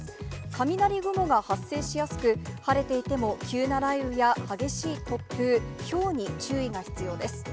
雷雲が発生しやすく、晴れていても急な雷雨や激しい突風、ひょうに注意が必要です。